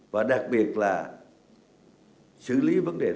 và đặc biệt là xử lý vấn đề rác thải